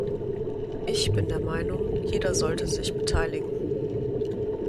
Ich bin der Meinung, jeder sollte sich beteiligen.